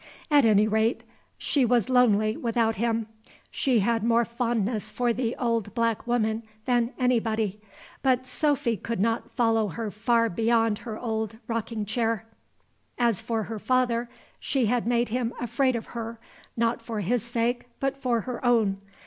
At any rate, she was lonely without him. She had more fondness for the old black woman than anybody; but Sophy could not follow her far beyond her own old rocking chair. As for her father, she had made him afraid of her, not for his sake, but for her own.